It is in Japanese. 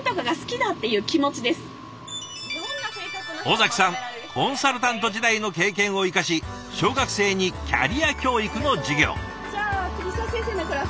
尾崎さんコンサルタント時代の経験を生かし小学生にキャリア教育の授業。